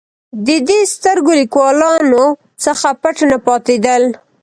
د دې سترګور لیکوالانو څخه پټ نه پاتېدل.